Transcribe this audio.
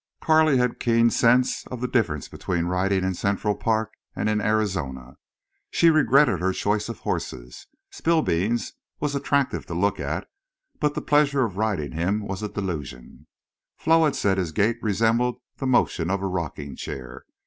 Carley had keen sense of the difference between riding in Central Park and in Arizona. She regretted her choice of horses. Spillbeans was attractive to look at, but the pleasure of riding him was a delusion. Flo had said his gait resembled the motion of a rocking chair.